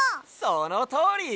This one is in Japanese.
そのとおり！